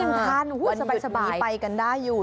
วันหยุดนี้ไปกันได้อยู่